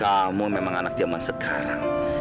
kamu memang anak zaman sekarang